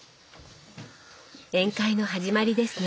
宴会の始まりですね。